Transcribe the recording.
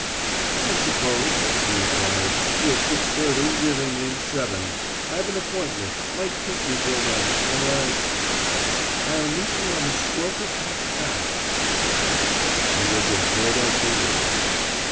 "I suppose," he inquired, "your six thirty really means seven. I've an appointment, might keep me till then, unless " "I'll meet you on the stroke of half past," she said, and was as good as her word.